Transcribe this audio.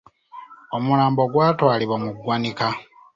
Omulambo gwatwalibwa mu ggwanika.